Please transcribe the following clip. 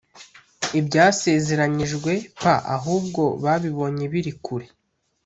ibyasezeranyijwe p Ahubwo babibonye biri kure